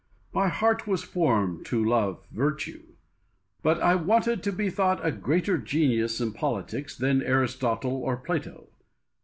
My heart was formed to love virtue. But I wanted to be thought a greater genius in politics than Aristotle or Plato.